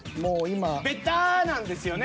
ベタなんですよね。